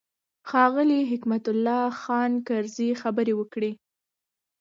ښاغلي حکمت الله خان کرزي خبرې وکړې.